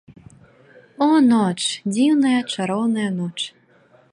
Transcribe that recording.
О, ноч, дзіўная, чароўная ноч!